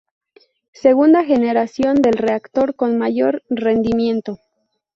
Segunda generación del reactor, con mayor rendimiento.